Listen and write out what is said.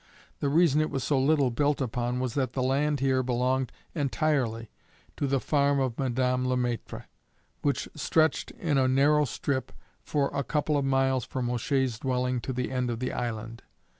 The reason it was so little built upon was that the land here belonged entirely to the farm of Madame Le Maître, which stretched in a narrow strip for a couple of miles from O'Shea's dwelling to the end of the island.